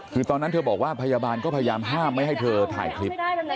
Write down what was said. คือตอนนั้นเธอบอกว่าพยาบาลก็พยายามห้ามไม่ให้เธอถ่ายคลิป